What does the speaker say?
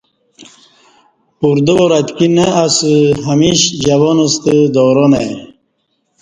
پردہ وار اتکی نہ اسہ ہمیش جوان ستہ دوران ا ی